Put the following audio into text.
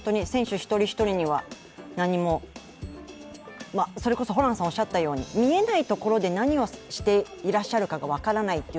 選手一人一人には何もそれこそホランさんがおっしゃったように見えないところで何をしていらっしゃるか分からない